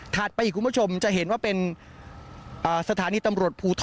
ถัดไปคุณผู้มก็ชมจะเห็นว่าเป็นสถานีตำรวจพูทร